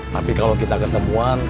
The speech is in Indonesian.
tapi kalau kita ketemuan